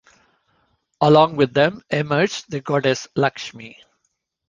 Along with them emerged the goddess Lakshmi.